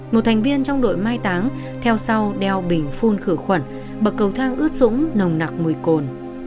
một thành viên trong đội mai táng theo sau đeo bình phun khử khuẩn bậc cầu thang ướt sũng nồng nặc mùi cồn